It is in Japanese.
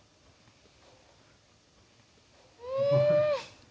うん！